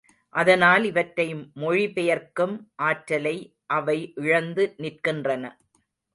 அதனால் இவற்றை மொழிபெயர்க்கும் ஆற்றலை அவை இழந்து நிற்கின்றன.